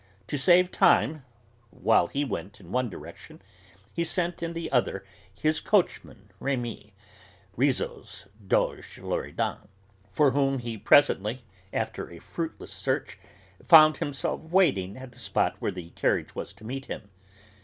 To save time, while he went in one direction, he sent in the other his coachman Rémi (Rizzo's Doge Loredan) for whom he presently after a fruitless search found himself waiting at the spot where the carriage was to meet him.